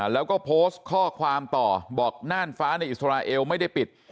แล้วก็โพสต์ข้อความต่อบอกน่านฟ้าในอิสราเอลไม่ได้ปิด